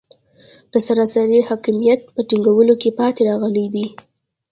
د سراسري حاکمیت په ټینګولو کې پاتې راغلي دي.